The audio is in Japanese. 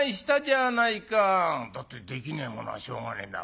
「だってできねえものはしょうがねえだろ」。